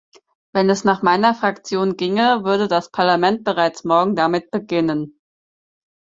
Wenn es nach meiner Fraktion ginge, würde das Parlament bereits morgen damit beginnen.